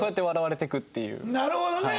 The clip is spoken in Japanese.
なるほどね！